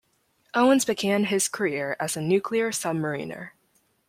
Owens began his career as a nuclear submariner.